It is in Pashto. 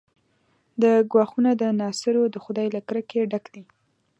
دا ګواښونه د ناصرو د خدۍ له کرکې ډک دي.